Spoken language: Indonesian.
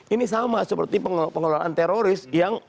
ini sama seperti pengelolaan teroris yang